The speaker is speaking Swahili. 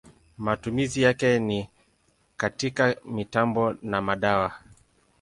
Matumizi yake ni katika mitambo na madawa.